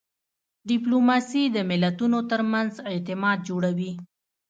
ډیپلوماسي د ملتونو ترمنځ اعتماد جوړوي.